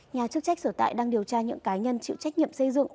nhà chức trách sở tại đang điều tra những cá nhân chịu trách nhiệm xây dựng